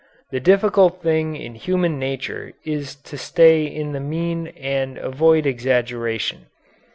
The difficult thing in human nature is to stay in the mean and avoid exaggeration.